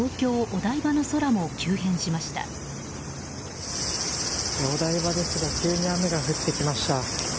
お台場ですが急に雨が降ってきました。